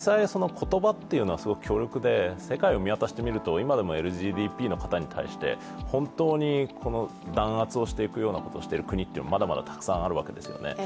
ただ、実際、言葉っていうのは強力で世界を見渡してみると今でもＬＧＢＴの方に対して本当に弾圧をしているような国はまだまだたくさんあるわけですよね。